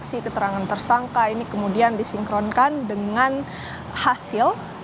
si keterangan tersangka ini kemudian disinkronkan dengan hasil